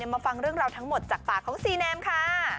มาฟังเรื่องราวทั้งหมดจากปากของซีแนมค่ะ